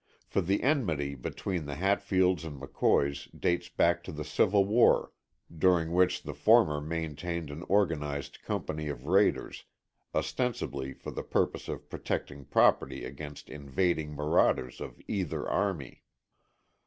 For the enmity between the Hatfields and McCoys dates back to the Civil War, during which the former maintained an organized company of raiders, ostensibly for the purpose of protecting property against invading marauders of either army.